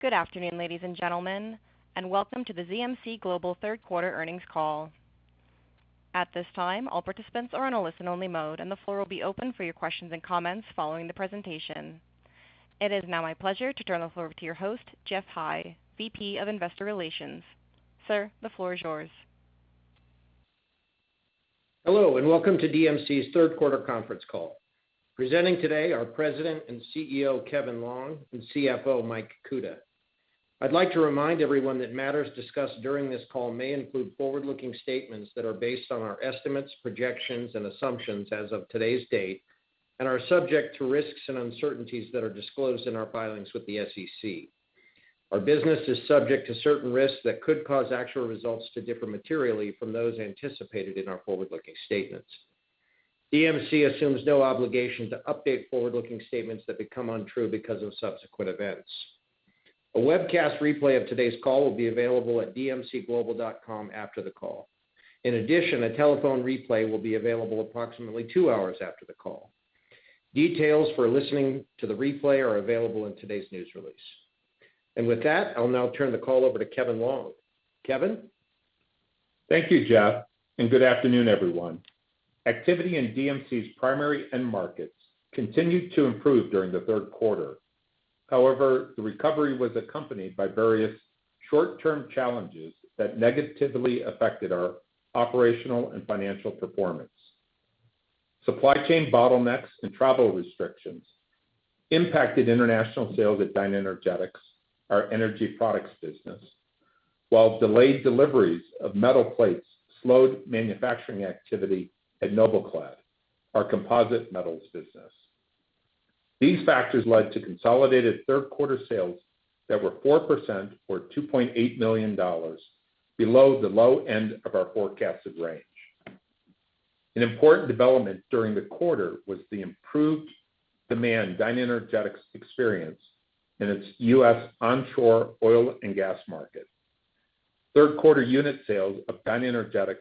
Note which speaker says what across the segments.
Speaker 1: Good afternoon, ladies and gentlemen, and welcome to the DMC Global Q3 earnings call. At this time, all participants are in a listen-only mode, and the floor will be open for your questions and comments following the presentation. It is now my pleasure to turn the floor over to your host, Geoff High, VP of Investor Relations. Sir, the floor is yours.
Speaker 2: Hello, welcome to DMC's Q3 Conference Call. Presenting today are President and CEO, Kevin Longe, and CFO, Michael Kuta. I'd like to remind everyone that matters discussed during this call may include forward-looking statements that are based on our estimates, projections, and assumptions as of today's date, and are subject to risks and uncertainties that are disclosed in our filings with the SEC. Our business is subject to certain risks that could cause actual results to differ materially from those anticipated in our forward-looking statements. DMC assumes no obligation to update forward-looking statements that become untrue because of subsequent events. A webcast replay of today's call will be available at dmcglobal.com after the call. In addition, a telephone replay will be available approximately two hours after the call. Details for listening to the replay are available in today's news release. With that, I'll now turn the call over to Kevin Longe. Kevin?
Speaker 3: Thank you, Geoff, and good afternoon, everyone. Activity in DMC's primary end markets continued to improve during the Q3. However, the recovery was accompanied by various short-term challenges that negatively affected our operational and financial performance. Supply chain bottlenecks and travel restrictions impacted international sales at DynaEnergetics, our energy products business. While delayed deliveries of metal plates slowed manufacturing activity at NobelClad, our composite metals business. These factors led to consolidated Q3 sales that were 4% or $2.8 million below the low end of our forecasted range. An important development during the quarter was the improved demand DynaEnergetics experienced in its U.S. onshore oil and gas market. Q3 unit sales of DynaEnergetics'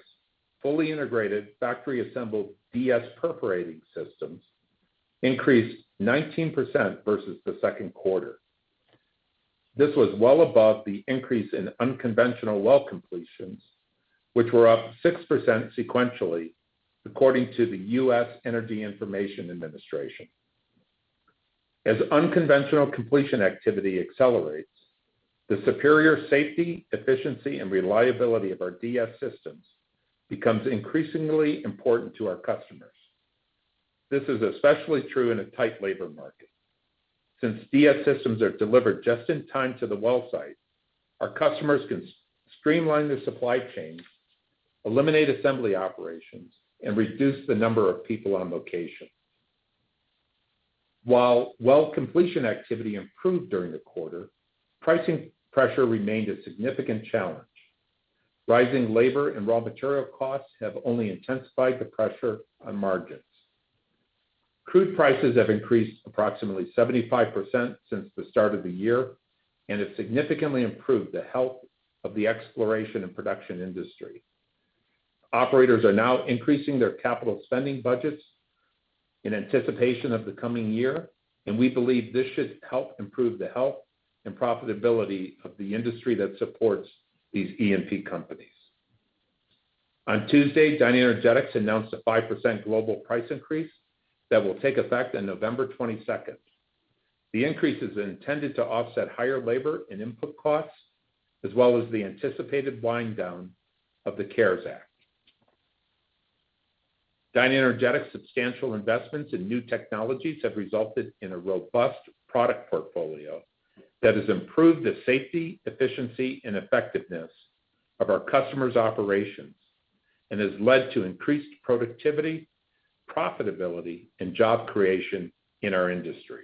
Speaker 3: fully integrated factory-assembled DS Perforating systems increased 19% versus the Q2. This was well above the increase in unconventional well completions, which were up 6% sequentially according to the U.S. Energy Information Administration. As unconventional completion activity accelerates, the superior safety, efficiency, and reliability of our DS systems becomes increasingly important to our customers. This is especially true in a tight labor market. Since DS systems are delivered just in time to the well site, our customers can streamline their supply chains, eliminate assembly operations, and reduce the number of people on location. While well completion activity improved during the quarter, pricing pressure remained a significant challenge. Rising labor and raw material costs have only intensified the pressure on margins. Crude prices have increased approximately 75% since the start of the year and have significantly improved the health of the exploration and production industry. Operators are now increasing their capital spending budgets in anticipation of the coming year, and we believe this should help improve the health and profitability of the industry that supports these E&P companies. On Tuesday, DynaEnergetics announced a 5% global price increase that will take effect on November 22nd. The increase is intended to offset higher labor and input costs, as well as the anticipated wind down of the CARES Act. DynaEnergetics' substantial investments in new technologies have resulted in a robust product portfolio that has improved the safety, efficiency, and effectiveness of our customers' operations and has led to increased productivity, profitability, and job creation in our industry.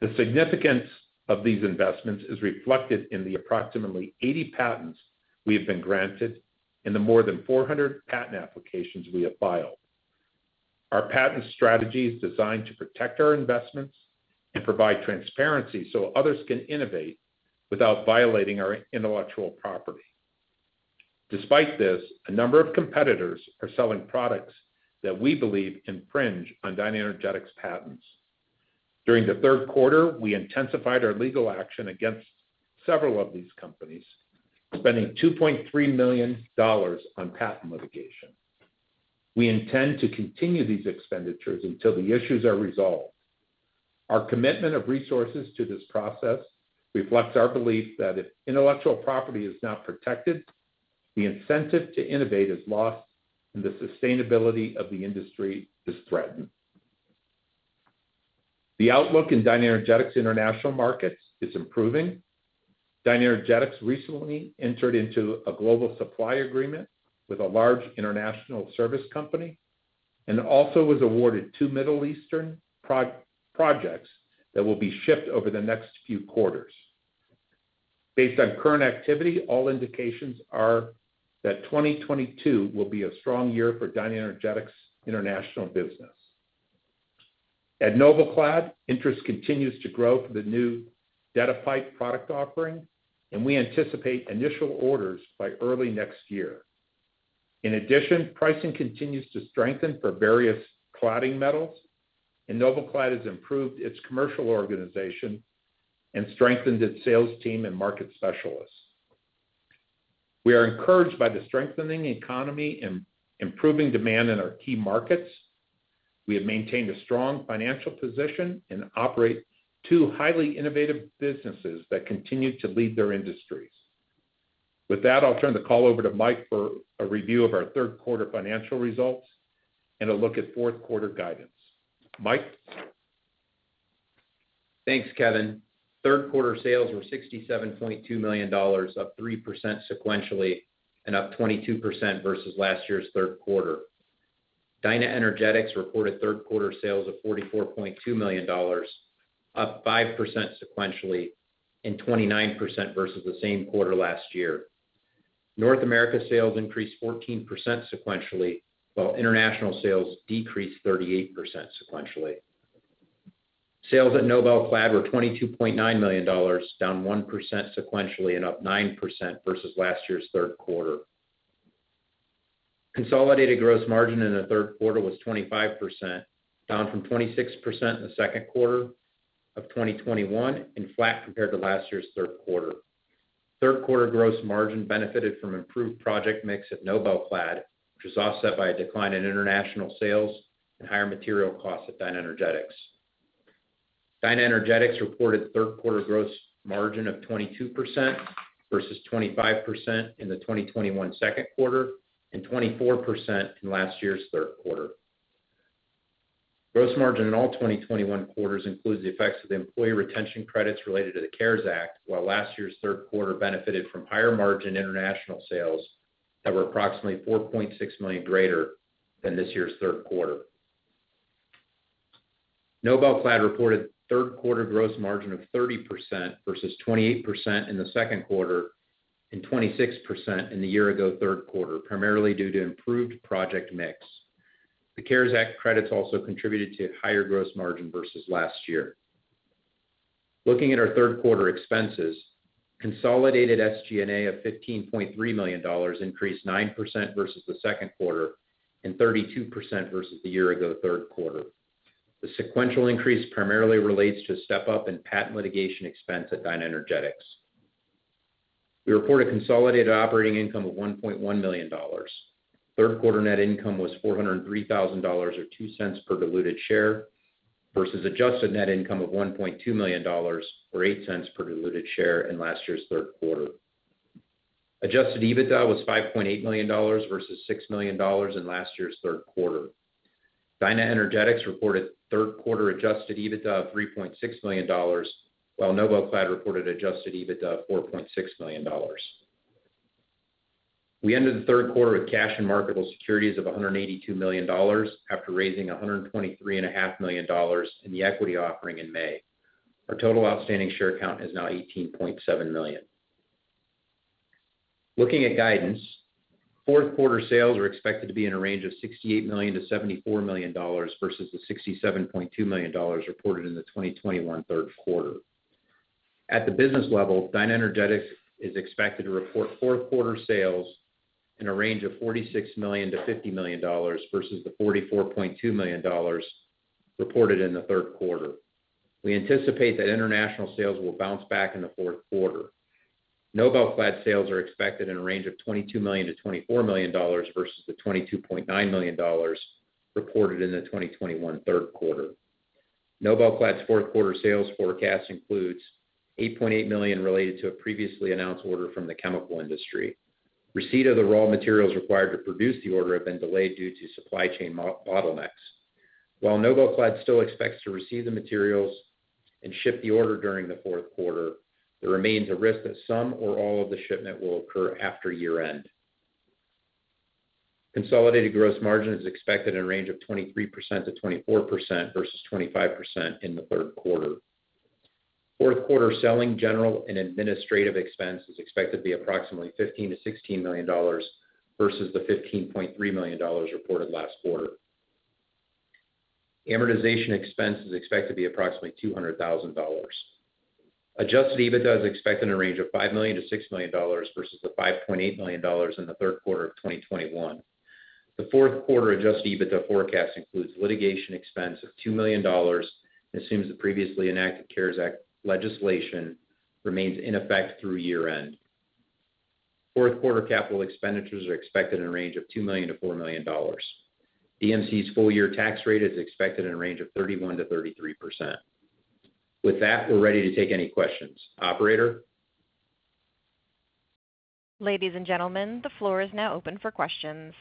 Speaker 3: The significance of these investments is reflected in the approximately 80 patents we have been granted and the more than 400 patent applications we have filed. Our patent strategy is designed to protect our investments and provide transparency so others can innovate without violating our intellectual property. Despite this, a number of competitors are selling products that we believe infringe on DynaEnergetics patents. During the Q3, we intensified our legal action against several of these companies, spending $2.3 million on patent litigation. We intend to continue these expenditures until the issues are resolved. Our commitment of resources to this process reflects our belief that if intellectual property is not protected, the incentive to innovate is lost and the sustainability of the industry is threatened. The outlook in DynaEnergetics international markets is improving. DynaEnergetics recently entered into a global supply agreement with a large international service company, and also was awarded two Middle Eastern projects that will be shipped over the next few quarters. Based on current activity, all indications are that 2022 will be a strong year for DynaEnergetics international business. At NobelClad, interest continues to grow for the new DetaPipe product offering. We anticipate initial orders by early next year. In addition, pricing continues to strengthen for various cladding metals. NobelClad has improved its commercial organization and strengthened its sales team and market specialists. We are encouraged by the strengthening economy and improving demand in our key markets. We have maintained a strong financial position and operate two highly innovative businesses that continue to lead their industries. With that, I'll turn the call over to Mike for a review of our Q3 financial results and a look at Q4 guidance. Mike?
Speaker 4: Thanks, Kevin. Q3 sales were $67.2 million, up 3% sequentially and up 22% versus last year's Q3. DynaEnergetics reported Q3 sales of $44.2 million, up 5% sequentially and 29% versus the same quarter last year. North America sales increased 14% sequentially, while international sales decreased 38% sequentially. Sales at NobelClad were $22.9 million, down 1% sequentially and up 9% versus last year's Q3. Consolidated gross margin in the Q3 was 25%, down from 26% in the Q2 of 2021, and flat compared to last year's Q3. Q3 gross margin benefited from improved project mix at NobelClad, which was offset by a decline in international sales and higher material costs at DynaEnergetics. DynaEnergetics reported Q3 gross margin of 22% versus 25% in the 2021 Q2 and 24% in last year's Q3. Gross margin in all 2021 quarters includes the effects of the employee retention credits related to the CARES Act, while last year's Q3 benefited from higher margin international sales that were approximately $4.6 million greater than this year's Q3. NobelClad reported Q3 gross margin of 30% versus 28% in the Q2 and 26% in the year ago Q3, primarily due to improved project mix. The CARES Act credits also contributed to higher gross margin versus last year. Looking at our Q3 expenses, consolidated SG&A of $15.3 million increased 9% versus the Q2 and 32% versus the year ago Q3. The sequential increase primarily relates to a step-up in patent litigation expense at DynaEnergetics. We report a consolidated operating income of $1.1 million. Q3 net income was $403,000, or $0.02 per diluted share, versus adjusted net income of $1.2 million, or $0.08 per diluted share in last year's Q3. Adjusted EBITDA was $5.8 million versus $6 million in last year's Q3. DynaEnergetics reported Q3 adjusted EBITDA of $3.6 million, while NobelClad reported adjusted EBITDA of $4.6 million. We ended the Q3 with cash and marketable securities of $182 million after raising $123.5 million in the equity offering in May. Our total outstanding share count is now 18.7 million. Looking at guidance, Q4 sales are expected to be in a range of $68 million-$74 million, versus the $67.2 million reported in the 2021 Q3. At the business level, DynaEnergetics is expected to report Q4 sales in a range of $46 million-$50 million, versus the $44.2 million reported in the Q3. We anticipate that international sales will bounce back in the Q4. NobelClad sales are expected in a range of $22 million-$24 million, versus the $22.9 million reported in the 2021 Q3. NobelClad's Q4 sales forecast includes $8.8 million related to a previously announced order from the chemical industry. Receipt of the raw materials required to produce the order have been delayed due to supply chain bottlenecks. While NobelClad still expects to receive the materials and ship the order during the Q4, there remains a risk that some or all of the shipment will occur after year end. Consolidated gross margin is expected in a range of 23%-24%, versus 25% in the Q3. Q4 selling, general, and administrative expense is expected to be approximately $15 million-$16 million, versus the $15.3 million reported last quarter. Amortization expense is expected to be approximately $200,000. Adjusted EBITDA is expected in a range of $5 million-$6 million, versus the $5.8 million in the Q3 of 2021. The Q4 adjusted EBITDA forecast includes litigation expense of $2 million and assumes the previously enacted CARES Act legislation remains in effect through year end. Q4 capital expenditures are expected in a range of $2 million-$4 million. DMC's full year tax rate is expected in a range of 31%-33%. With that, we're ready to take any questions. Operator?
Speaker 1: Ladies and gentlemen, the floor is now open for questions.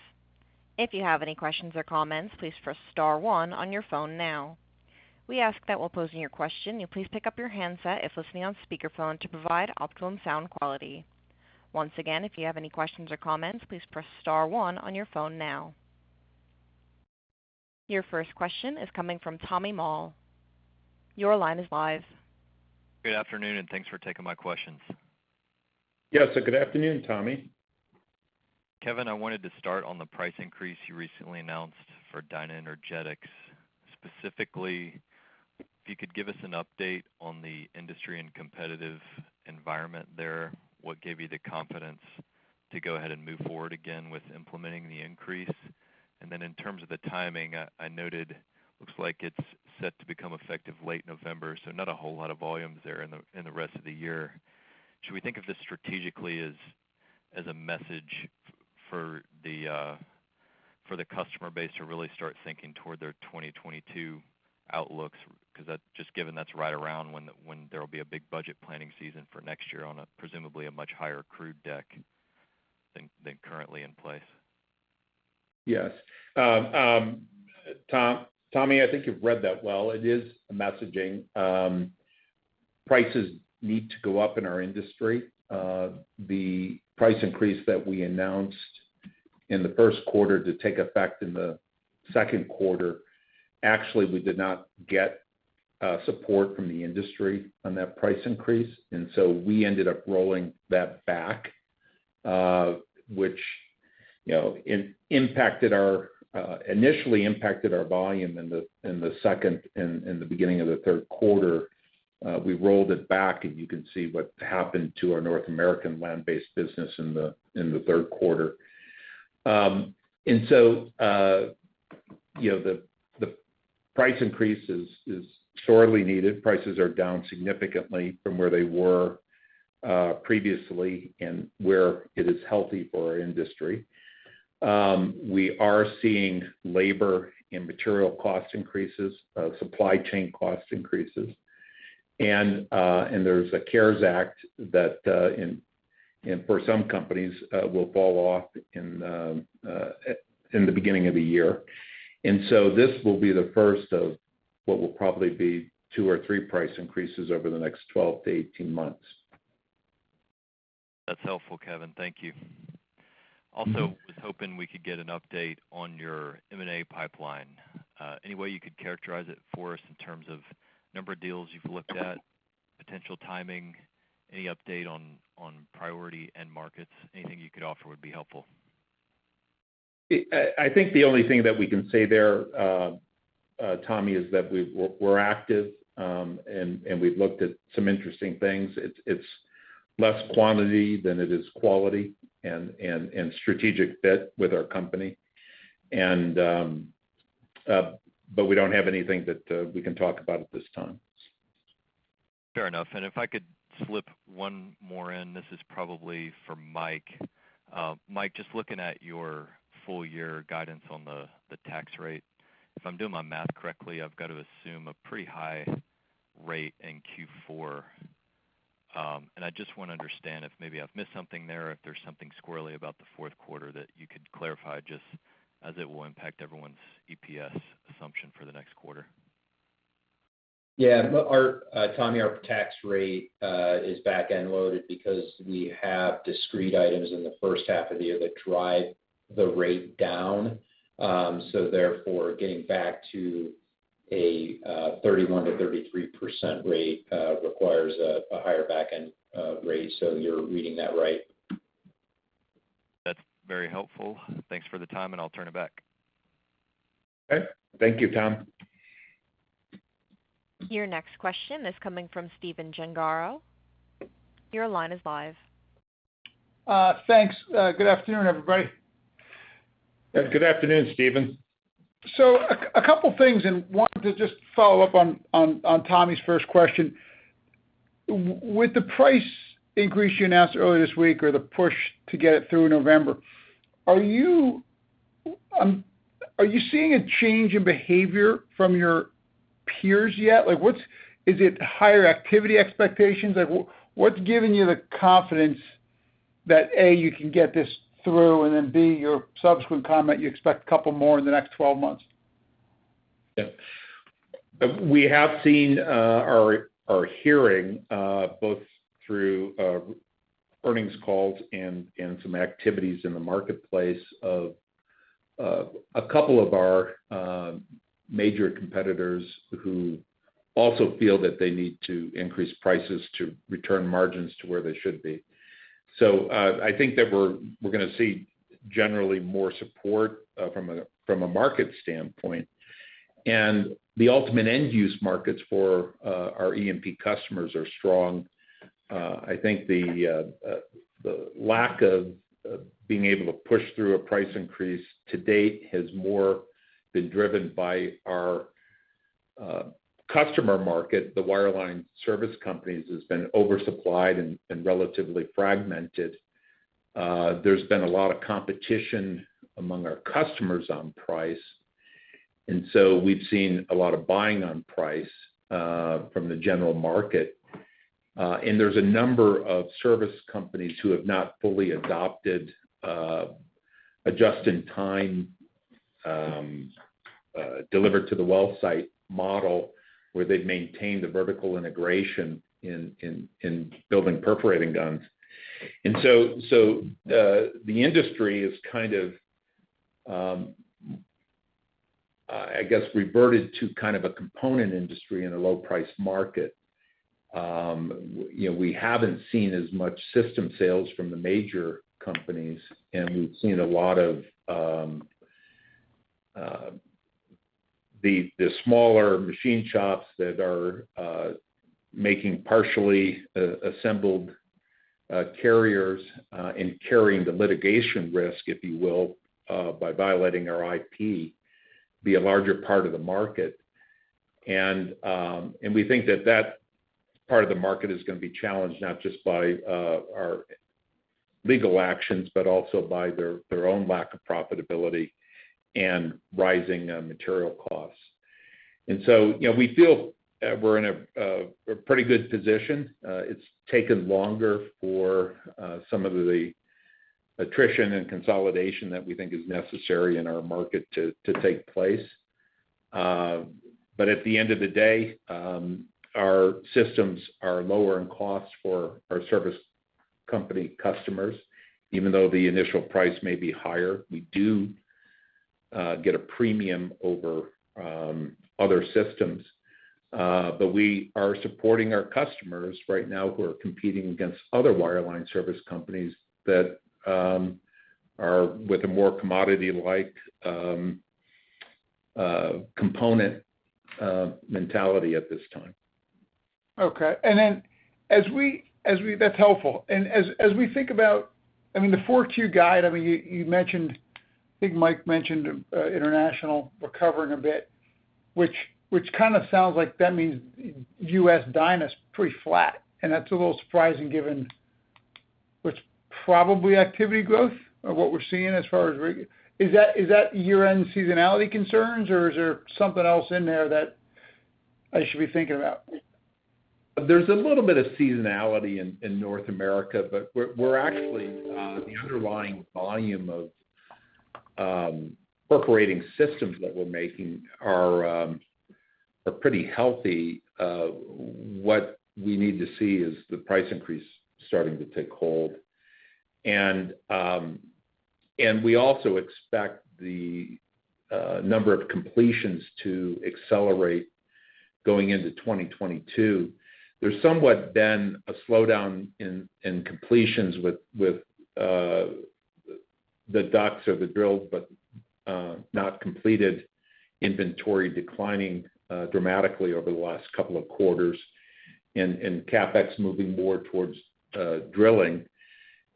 Speaker 1: If you have any questions or comments, please press star one on your phone now. We ask that while posing your question, you please pick up your handset if listening on speakerphone to provide optimum sound quality. Your first question is coming from Tommy Moll. Your line is live.
Speaker 5: Good afternoon. Thanks for taking my questions.
Speaker 3: Yes, good afternoon, Tommy.
Speaker 5: Kevin, I wanted to start on the price increase you recently announced for DynaEnergetics. Specifically, if you could give us an update on the industry and competitive environment there, what gave you the confidence to go ahead and move forward again with implementing the increase? In terms of the timing, I noted it looks like it's set to become effective late November, so not a whole lot of volumes there in the rest of the year. Should we think of this strategically as a message for the customer base to really start thinking toward their 2022 outlooks? Given that's right around when there'll be a big budget planning season for next year on presumably a much higher crude deck than currently in place.
Speaker 3: Yes. Tommy, I think you've read that well. It is a messaging. Prices need to go up in our industry. The price increase that we announced in the Q1 to take effect in the Q2, actually, we did not get support from the industry on that price increase. We ended up rolling that back, which initially impacted our volume in the second and the beginning of the Q3. We rolled it back, you can see what happened to our North American land-based business in the Q3. The price increase is sorely needed. Prices are down significantly from where they were previously and where it is healthy for our industry. We are seeing labor and material cost increases, supply chain cost increases, and there's the CARES Act that, for some companies, will fall off in the beginning of the year. this will be the first of what will probably be two or three price increases over the next 12-18 months.
Speaker 5: That's helpful, Kevin. Thank you. Also, was hoping we could get an update on your M&A pipeline. Any way you could characterize it for us in terms of number of deals you've looked at, potential timing, any update on priority end markets? Anything you could offer would be helpful.
Speaker 3: I think the only thing that we can say there, Tommy, is that we're active, and we've looked at some interesting things. It's less quantity than it is quality and strategic fit with our company. We don't have anything that we can talk about at this time.
Speaker 5: Fair enough. If I could slip one more in, this is probably for Mike. Mike, just looking at your full-year guidance on the tax rate. If I'm doing my math correctly, I've got to assume a pretty high rate in Q4. I just want to understand if maybe I've missed something there, or if there's something squirrelly about the Q4 that you could clarify, just as it will impact everyone's EPS assumption for the next quarter.
Speaker 4: Yeah. Tommy, our tax rate is back-end loaded because we have discrete items in the first half of the year that drive the rate down. Therefore, getting back to a 31%-33% rate requires a higher back-end rate. You're reading that right.
Speaker 5: That's very helpful. Thanks for the time, and I'll turn it back.
Speaker 3: Okay. Thank you, Tom.
Speaker 1: Your next question is coming from Stephen Gengaro. Your line is live.
Speaker 6: Thanks. Good afternoon, everybody.
Speaker 3: Good afternoon, Stephen.
Speaker 6: A couple things, and wanted to just follow up on Tommy's first question. With the price increase you announced earlier this week or the push to get it through November, are you seeing a change in behavior from your peers yet? Is it higher activity expectations? What's giving you the confidence that, A, you can get this through, and then, B, your subsequent comment, you expect a couple more in the next 12 months?
Speaker 3: We have seen or are hearing, both through earnings calls and some activities in the marketplace, of a couple of our major competitors who also feel that they need to increase prices to return margins to where they should be. I think that we're going to see generally more support from a market standpoint. The ultimate end-use markets for our E&P customers are strong. I think the lack of being able to push through a price increase to date has more been driven by our customer market. The wireline service companies has been oversupplied and relatively fragmented. There's been a lot of competition among our customers on price, and so we've seen a lot of buying on price from the general market. There's a number of service companies who have not fully adopted a just-in-time delivered to the well site model where they've maintained the vertical integration in building perforating guns. The industry has kind of, I guess, reverted to kind of a component industry in a low-price market. We haven't seen as much system sales from the major companies, and we've seen a lot of the smaller machine shops that are making partially assembled carriers and carrying the litigation risk, if you will, by violating our IP, be a larger part of the market. We think that part of the market is going to be challenged not just by our legal actions, but also by their own lack of profitability and rising material costs. We feel we're in a pretty good position. It's taken longer for some of the attrition and consolidation that we think is necessary in our market to take place. At the end of the day, our systems are lower in cost for our service company customers, even though the initial price may be higher. We do get a premium over other systems. We are supporting our customers right now who are competing against other wireline service companies that are with a more commodity-like component mentality at this time.
Speaker 6: Okay. That's helpful. As we think about, the 4Q guide, I think Mike mentioned international recovering a bit, which kind of sounds like that means U.S. Dyna is pretty flat, and that's a little surprising given which probably activity growth of what we're seeing. Is that year-end seasonality concerns, or is there something else in there that I should be thinking about?
Speaker 3: There's a little bit of seasonality in North America. The underlying volume of operating systems that we're making are pretty healthy. What we need to see is the price increase starting to take hold. We also expect the number of completions to accelerate going into 2022. There's somewhat been a slowdown in completions with the DUCs, or the drilled but not completed inventory declining dramatically over the last couple of quarters, and CapEx moving more towards drilling.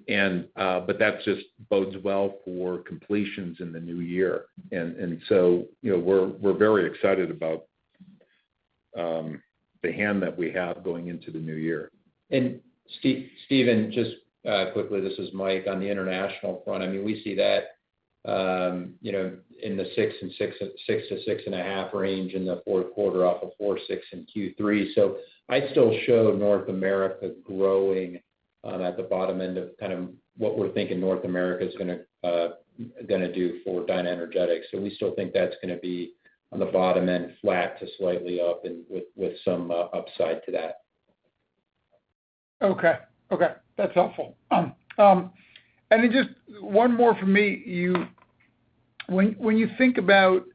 Speaker 3: That just bodes well for completions in the new year. We're very excited about the hand that we have going into the new year.
Speaker 4: Stephen, just quickly, this is Mike. On the international front, we see that in the $6-$6.5 range in the Q4 off of $4.6 in Q3. I still show North America growing at the bottom end of what we're thinking North America is going to do for DynaEnergetics. We still think that's going to be on the bottom end, flat to slightly up, and with some upside to that.
Speaker 6: Okay. That's helpful. Then just one more from me. When you think about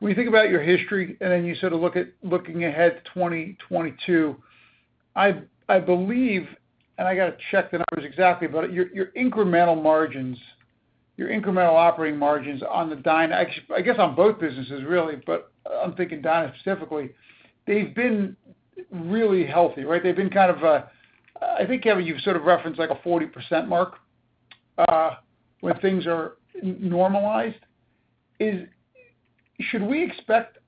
Speaker 6: your history, and then you sort of looking ahead to 2022, I believe, and I got to check the numbers exactly, but your incremental operating margins on the Dyna, I guess on both businesses really, but I'm thinking Dyna specifically, they've been really healthy, right? I think, Kevin, you've sort of referenced a 40% mark when things are normalized. Should we expect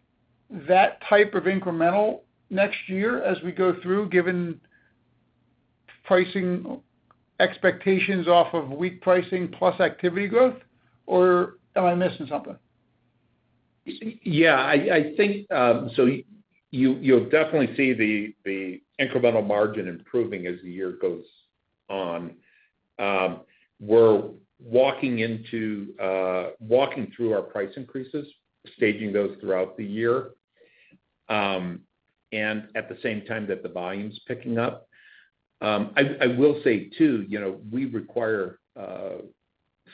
Speaker 6: that type of incremental next year as we go through, given pricing expectations off of weak pricing plus activity growth, or am I missing something?
Speaker 3: Yeah. You'll definitely see the incremental margin improving as the year goes on. We're walking through our price increases, staging those throughout the year, and at the same time that the volume's picking up. I will say, too, we require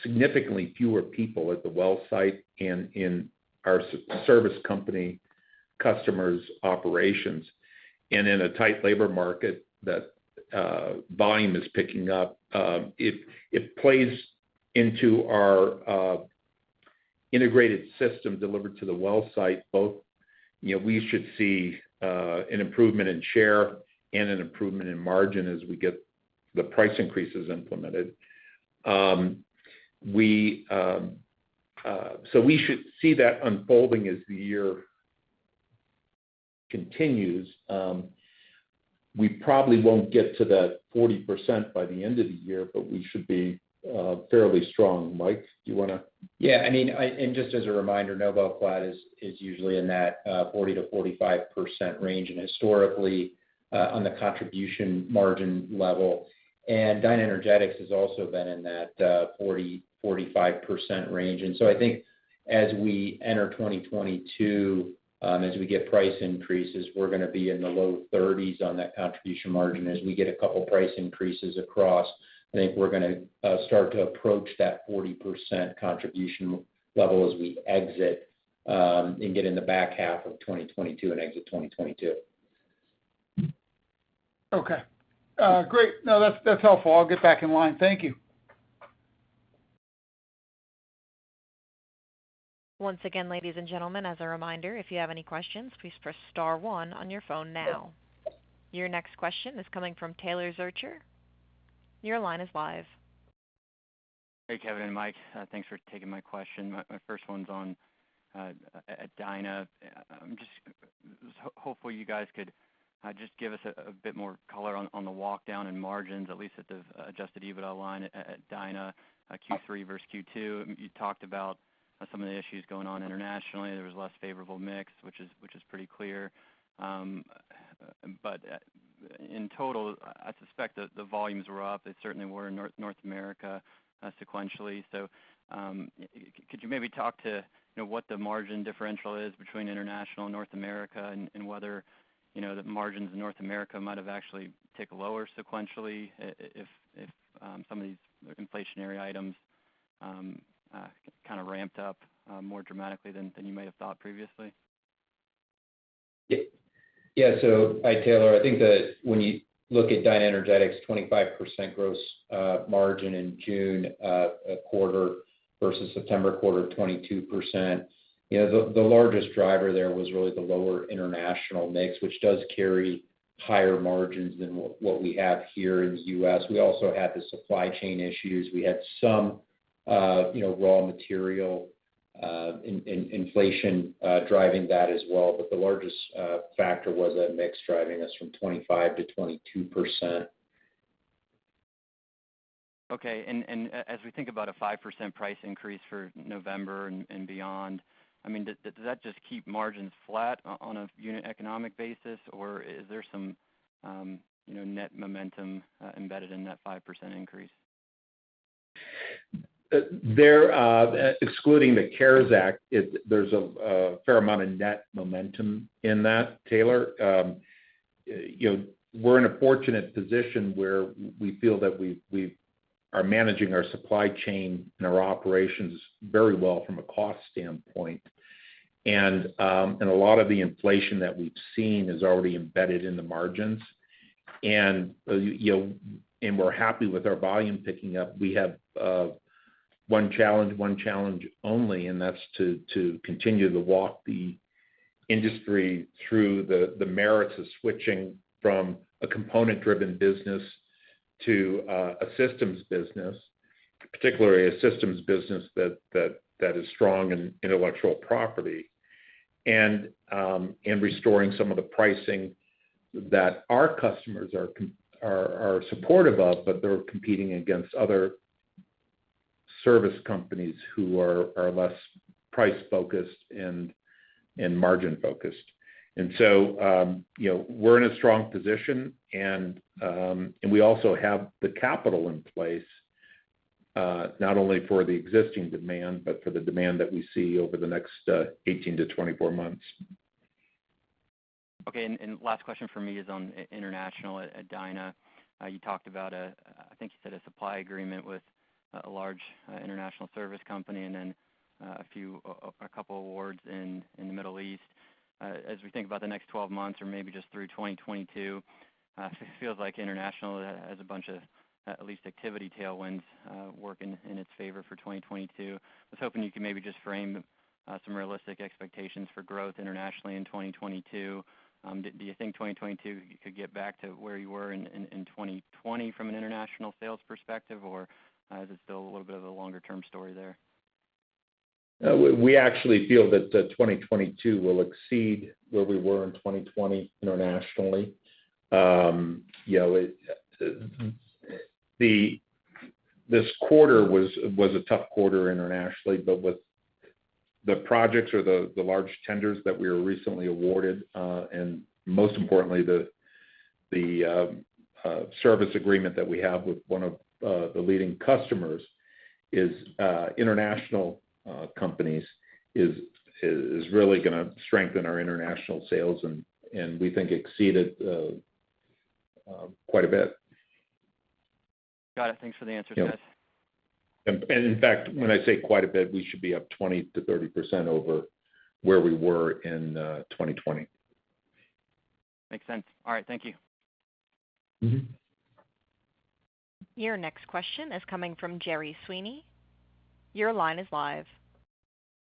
Speaker 3: significantly fewer people at the well site and in our service company customers' operations. In a tight labor market, that volume is picking up. It plays into our integrated system delivered to the well site, both we should see an improvement in share and an improvement in margin as we get the price increases implemented. We should see that unfolding as the year continues. We probably won't get to that 40% by the end of the year, but we should be fairly strong. Mike, do you want to-
Speaker 4: Yeah. Just as a reminder, NobelClad is usually in that 40%-45% range historically on the contribution margin level. DynaEnergetics has also been in that 40%, 45% range. I think as we enter 2022, as we get price increases, we're going to be in the low 30s on that contribution margin. As we get a couple price increases across, I think we're going to start to approach that 40% contribution level as we exit and get in the back half of 2022 and exit 2022.
Speaker 6: Okay. Great. No, that's helpful. I'll get back in line. Thank you.
Speaker 1: Your next question is coming from Taylor Zurcher. Your line is live.
Speaker 7: Hey, Kevin and Mike. Thanks for taking my question. My first one's on Dyna. I'm just hopeful you guys could just give us a bit more color on the walk-down in margins, at least at the adjusted EBITDA line at Dyna Q3 versus Q2. You talked about some of the issues going on internationally. There was less favorable mix, which is pretty clear. In total, I suspect that the volumes were up. They certainly were in North America sequentially. Could you maybe talk to what the margin differential is between international and North America, and whether the margins in North America might have actually ticked lower sequentially if some of these inflationary items ramped up more dramatically than you may have thought previously?
Speaker 3: Yeah. Hi, Taylor. I think that when you look at DynaEnergetics, 25% gross margin in June quarter versus September quarter, 22%. The largest driver there was really the lower international mix, which does carry higher margins than what we have here in the U.S. We also had the supply chain issues. We had some raw material inflation driving that as well. The largest factor was that mix driving us from 25% to 22%.
Speaker 7: Okay. As we think about a 5% price increase for November and beyond, does that just keep margins flat on a unit economic basis, or is there some net momentum embedded in that 5% increase?
Speaker 3: Excluding the CARES Act, there's a fair amount of net momentum in that, Taylor. We're in a fortunate position where we feel that we are managing our supply chain and our operations very well from a cost standpoint. A lot of the inflation that we've seen is already embedded in the margins. We're happy with our volume picking up. We have one challenge, one challenge only, and that's to continue to walk the industry through the merits of switching from a component-driven business to a systems business, particularly a systems business that is strong in intellectual property, and restoring some of the pricing that our customers are supportive of, but they're competing against other service companies who are less price-focused and margin-focused. We're in a strong position, and we also have the capital in place, not only for the existing demand, but for the demand that we see over the next 18 to 24 months.
Speaker 7: Okay, last question from me is on international at Dyna. You talked about, I think you said a supply agreement with a large international service company, and then a couple awards in the Middle East. As we think about the next 12 months or maybe just through 2022, it feels like international has a bunch of at least activity tailwinds working in its favor for 2022. I was hoping you could maybe just frame some realistic expectations for growth internationally in 2022. Do you think 2022 could get back to where you were in 2020 from an international sales perspective, or is it still a little bit of a longer-term story there?
Speaker 3: We actually feel that 2022 will exceed where we were in 2020 internationally. This quarter was a tough quarter internationally, but with the projects or the large tenders that we were recently awarded, and most importantly, the service agreement that we have with one of the leading customers is international companies, is really going to strengthen our international sales, and we think exceed it quite a bit.
Speaker 7: Got it. Thanks for the answer, guys.
Speaker 3: In fact, when I say quite a bit, we should be up 20%-30% over where we were in 2020.
Speaker 7: Makes sense. All right, thank you.
Speaker 1: Your next question is coming from Gerard Sweeney. Your line is live.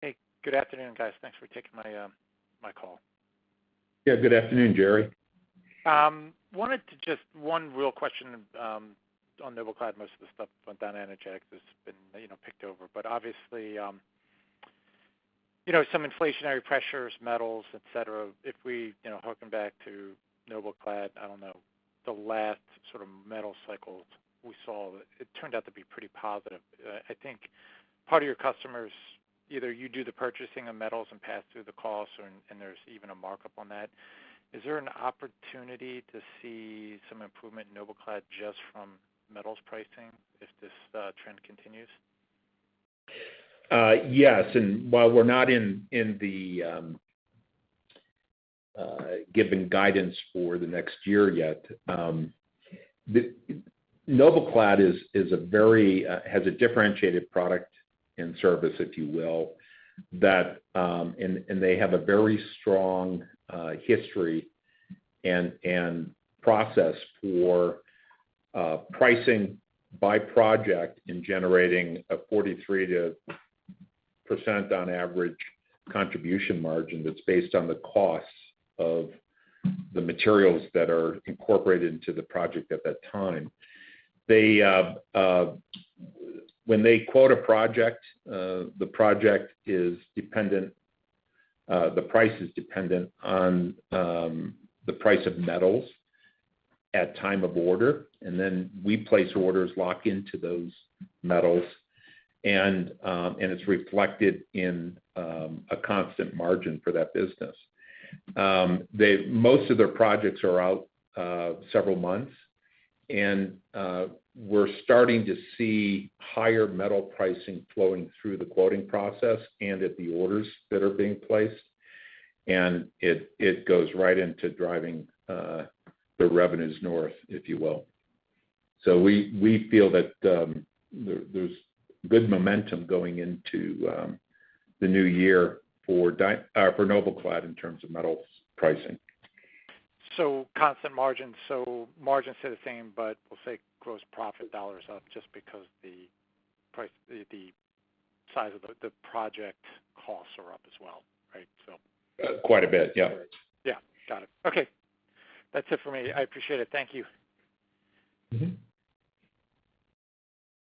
Speaker 8: Hey, good afternoon, guys. Thanks for taking my call.
Speaker 3: Yeah. Good afternoon, Gerard.
Speaker 8: Wanted to just one real question on NobelClad. Most of the stuff on DynaEnergetics has been picked over. Obviously, some inflationary pressures, metals, et cetera. If we hearken back to NobelClad, I don't know, the last metal cycle we saw, it turned out to be pretty positive. I think part of your customers, either you do the purchasing of metals and pass through the costs, and there's even a markup on that. Is there an opportunity to see some improvement in NobelClad just from metals pricing if this trend continues?
Speaker 3: Yes. While we're not in the given guidance for the next year yet NobelClad has a differentiated product and service, if you will, and they have a very strong history and process for pricing by project in generating a 43% on average contribution margin that's based on the costs of the materials that are incorporated into the project at that time. When they quote a project, the price is dependent on the price of metals at time of order, and then we place orders locked into those metals, and it's reflected in a constant margin for that business. Most of their projects are out several months, and we're starting to see higher metal pricing flowing through the quoting process and at the orders that are being placed, and it goes right into driving their revenues north, if you will. We feel that there's good momentum going into the new year for NobelClad in terms of metals pricing.
Speaker 8: Constant margins. Margins stay the same, but we'll say gross profit dollars up just because the size of the project costs are up as well. Right?
Speaker 3: Quite a bit. Yeah.
Speaker 8: Yeah. Got it. Okay. That's it for me. I appreciate it. Thank you.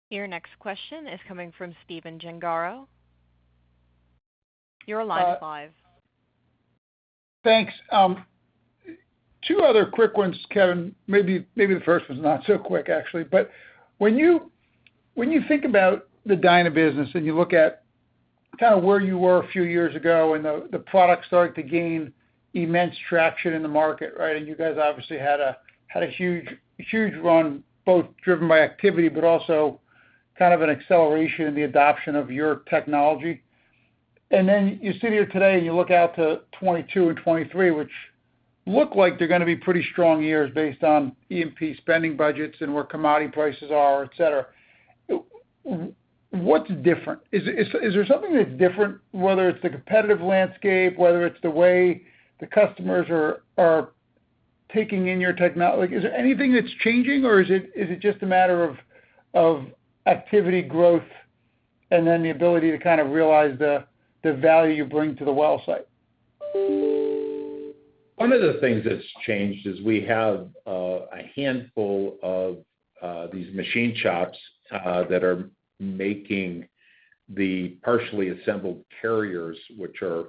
Speaker 1: Your next question is coming from Stephen Gengaro.
Speaker 6: Thanks. Two other quick ones, Kevin. Maybe the first one's not so quick, actually. When you think about the Dyna business and you look at where you were a few years ago and the product started to gain immense traction in the market, right? You guys obviously had a huge run, both driven by activity, but also kind of an acceleration in the adoption of your technology. You sit here today, and you look out to 2022 and 2023, which look like they're going to be pretty strong years based on E&P spending budgets and where commodity prices are, et cetera. What's different? Is there something that's different, whether it's the competitive landscape, whether it's the way the customers are taking in your technology? Is there anything that's changing, or is it just a matter of activity growth and then the ability to kind of realize the value you bring to the well site?
Speaker 3: One of the things that's changed is we have a handful of these machine shops that are making the partially assembled carriers, which are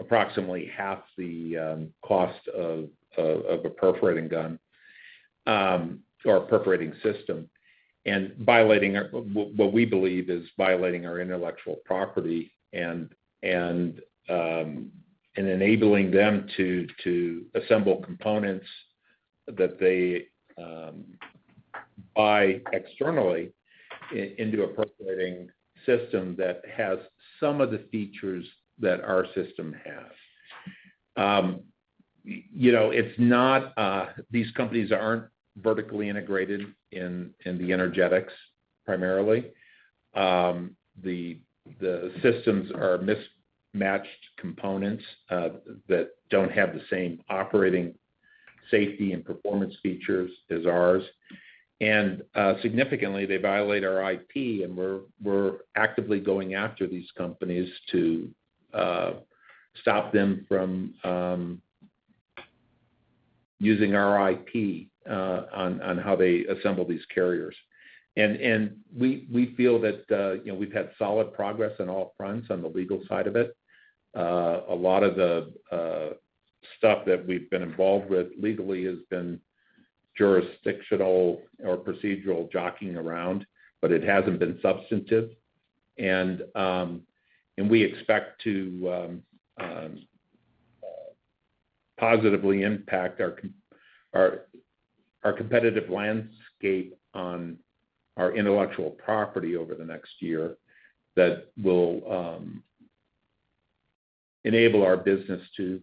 Speaker 3: approximately half the cost of a perforating gun, or a perforating system, and what we believe is violating our intellectual property and enabling them to assemble components that they buy externally into a perforating system that has some of the features that our system has. These companies aren't vertically integrated in the energetics, primarily. The systems are mismatched components that don't have the same operating safety and performance features as ours. Significantly, they violate our IP, We're actively going after these companies to stop them from using our IP on how they assemble these carriers. We feel that we've had solid progress on all fronts on the legal side of it. A lot of the stuff that we've been involved with legally has been jurisdictional or procedural jockeying around, but it hasn't been substantive. We expect to positively impact our competitive landscape on our intellectual property over the next year that will enable our business to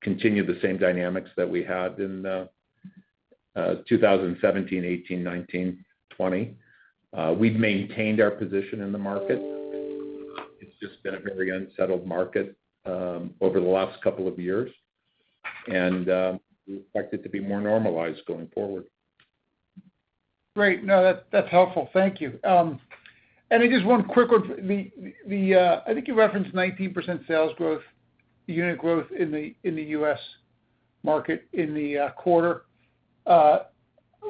Speaker 3: continue the same Dynamics that we had in 2017, 2018, 2019, 2020. We've maintained our position in the market. It's just been a very unsettled market over the last couple of years, and we expect it to be more normalized going forward.
Speaker 6: Great. No, that's helpful. Thank you. Just one quick one. I think you referenced 19% sales growth, unit growth in the U.S. market in the quarter.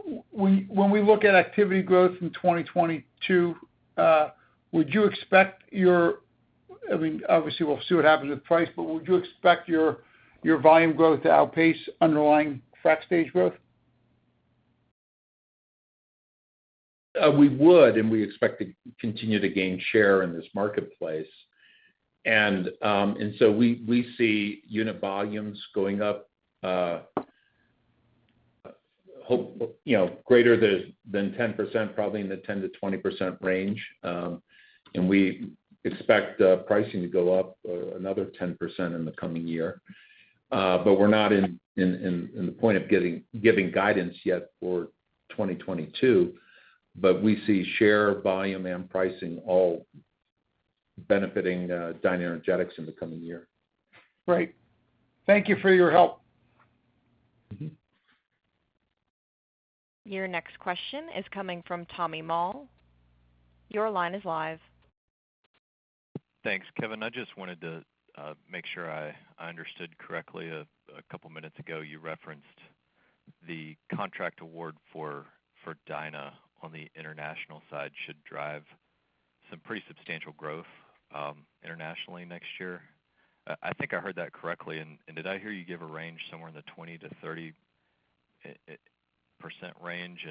Speaker 6: When we look at activity growth in 2022, obviously, we'll see what happens with price, but would you expect your volume growth to outpace underlying frac stage growth?
Speaker 3: We expect to continue to gain share in this marketplace. We see unit volumes going up greater than 10%, probably in the 10%-20% range. We expect pricing to go up another 10% in the coming year. We're not in the point of giving guidance yet for 2022, but we see share volume and pricing all benefiting DynaEnergetics in the coming year.
Speaker 6: Right. Thank you for your help.
Speaker 1: Your next question is coming from Tommy Moll. Your line is live.
Speaker 5: Thanks, Kevin. I just wanted to make sure I understood correctly. A couple minutes ago, you referenced the contract award for Dyna on the international side should drive some pretty substantial growth internationally next year. I think I heard that correctly, and did I hear you give a range somewhere in the 20%-30% range?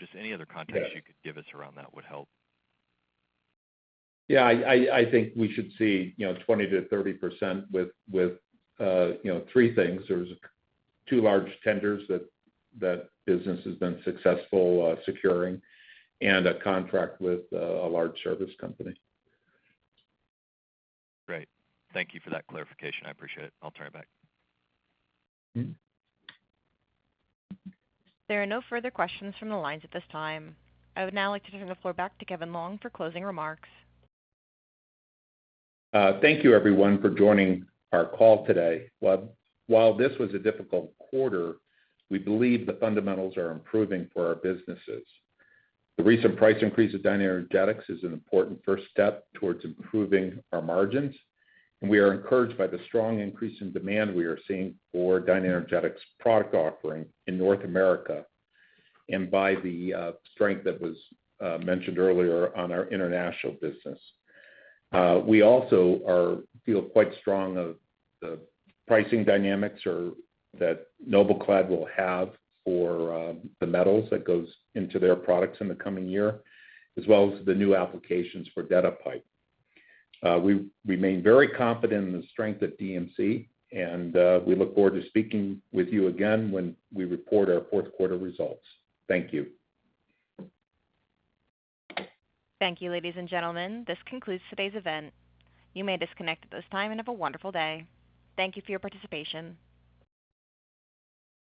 Speaker 5: Just any other context you could give us around that would help.
Speaker 3: Yeah. I think we should see 20%-30% with three things. There's two large tenders that business has been successful securing, and a contract with a large service company.
Speaker 5: Great. Thank you for that clarification. I appreciate it. I'll turn it back.
Speaker 1: There are no further questions from the lines at this time. I would now like to turn the floor back to Kevin Longe for closing remarks.
Speaker 3: Thank you everyone for joining our call today. While this was a difficult quarter, we believe the fundamentals are improving for our businesses. The recent price increase at DynaEnergetics is an important first step towards improving our margins, and we are encouraged by the strong increase in demand we are seeing for DynaEnergetics product offering in North America, and by the strength that was mentioned earlier on our international business. We also feel quite strong of the pricing Dynamics that NobelClad will have for the metals that goes into their products in the coming year, as well as the new applications for DetaPipe. We remain very confident in the strength of DMC, and we look forward to speaking with you again when we report our Q4 results. Thank you.
Speaker 1: Thank you, ladies and gentlemen. This concludes today's event. You may disconnect at this time, and have a wonderful day. Thank you for your participation.